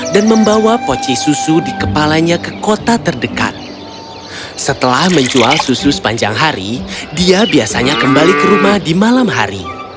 di siang hari dia biasanya kembali ke rumah di malam hari